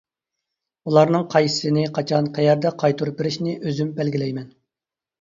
ئۇلارنىڭ قايسىسىنى، قاچان، قەيەردە قايتۇرۇپ بېرىشنى ئۆزۈم بەلگىلەيمەن.